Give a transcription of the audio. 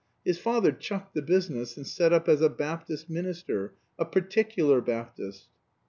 His father chucked the business, and set up as a Baptist minister a Particular Baptist."